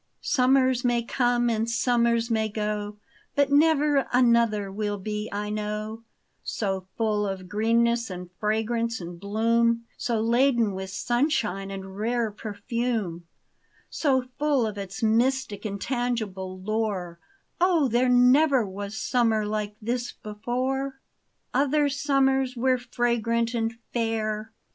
UMMERS may come and summers may go, But never another will be, I know, So full of greenness and fragrance and bloom, So laden with sunshine and rare perfume, So full of its mystic, intangible lore ; Oh, there never was summer like this before ! Other summers were fragrant and fair.